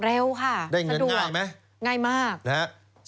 เร็วค่ะสะดวกง่ายมากได้เงินง่ายไหม